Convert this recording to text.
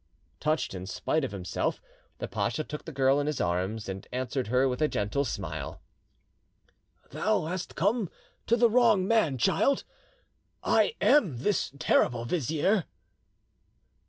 Touched in spite of himself, the pacha took the girl in his arms, and answered her with a gentle smile. "Thou hast come to the wrong man, child: I am this terrible vizier."